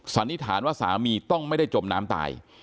สันนิษฐานว่าสามีต้องไม่ได้จมน้ำตาย